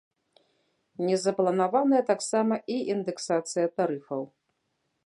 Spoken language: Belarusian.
Не запланаваная таксама і індэксацыя тарыфаў.